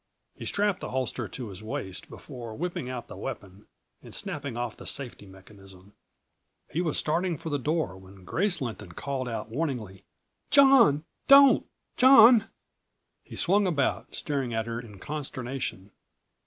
He strapped the holster to his waist before whipping out the weapon and snapping off the safety mechanism. He was starting for the door when Grace Lynton called out warningly: "John, don't! John!" He swung about, staring at her in consternation.